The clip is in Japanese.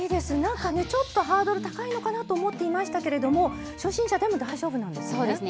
ちょっとハードル高いのかなと思っていましたけど初心者でも大丈夫なんですね。